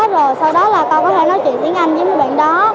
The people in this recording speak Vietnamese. rồi sau đó là con có thể nói chuyện tiếng anh với mấy bạn đó